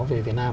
về việt nam